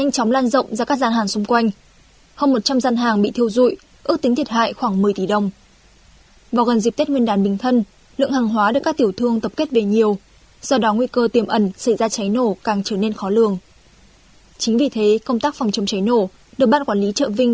cháy nổ càng trở nên khó lường chính vì thế công tác phòng chống cháy nổ được bác quản lý chợ vinh